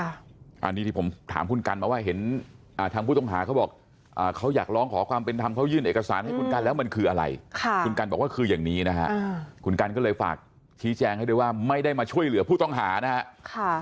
อันนี้ที่ผมถามคุณกันมาว่าเห็นทางผู้ต้องหาเขาบอกเขาอยากร้องขอความเป็นธรรมเขายื่นเอกสารให้คุณกันแล้วมันคืออะไรคุณกันบอกว่าคืออย่างนี้นะฮะคุณกันก็เลยฝากชี้แจงให้ด้วยว่าไม่ได้มาช่วยเหลือผู้ต้องหานะฮะ